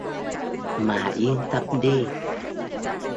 mà yên tâm đi